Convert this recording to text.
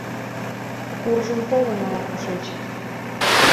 Куржын толын ала-кушеч